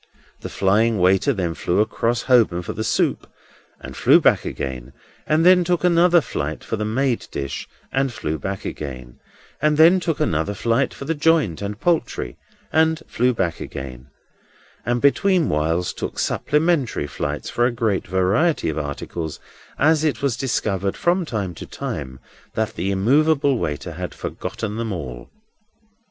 The flying waiter then flew across Holborn for the soup, and flew back again, and then took another flight for the made dish, and flew back again, and then took another flight for the joint and poultry, and flew back again, and between whiles took supplementary flights for a great variety of articles, as it was discovered from time to time that the immovable waiter had forgotten them all.